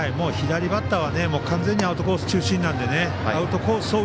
左バッターは完全にアウトコース中心なのでアウトコース